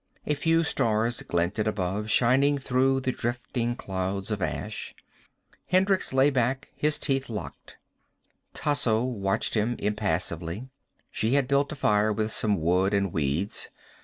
A few stars glinted above, shining through the drifting clouds of ash. Hendricks lay back, his teeth locked. Tasso watched him impassively. She had built a fire with some wood and weeds.